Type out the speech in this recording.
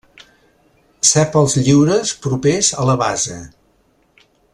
Sèpals lliures propers a la base.